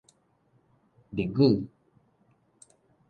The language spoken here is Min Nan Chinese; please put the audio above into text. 日語